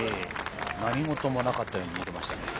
何事もなかったかのように入れてましたね。